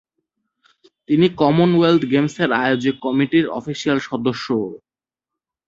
তিনি কমনওয়েলথ গেমসের আয়োজক কমিটির অফিসিয়াল সদস্যও।